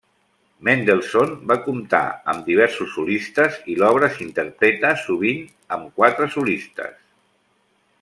Mendelssohn va comptar amb diversos solistes i l'obra s'interpreta sovint amb quatre solistes.